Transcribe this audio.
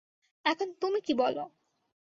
এখন তুমি কী বল?